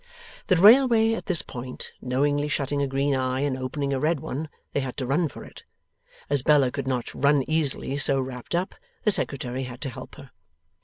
The railway, at this point, knowingly shutting a green eye and opening a red one, they had to run for it. As Bella could not run easily so wrapped up, the Secretary had to help her.